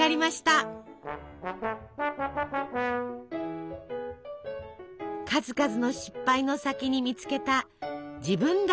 数々の失敗の先に見つけた自分だけの居場所。